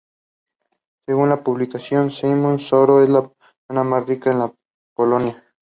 Según la publicación Zygmunt Solorz-Żak era la persona más rica en Polonia.